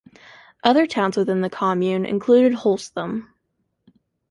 Other towns within the commune included Holzthum.